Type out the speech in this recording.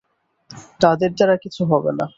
তাঁদের দ্বারা কিছু হবে না।